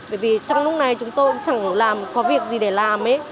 bởi vì trong lúc này chúng tôi cũng chẳng làm có việc gì để làm ấy